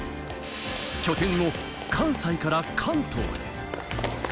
拠点を関西から関東へ。